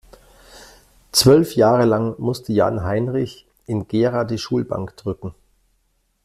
Zwölf Jahre lang musste Jan-Heinrich in Gera die Schulbank drücken.